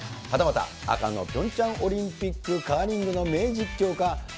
はたまた、赤のピョンチャンオリンピック、カーリングの名実況か。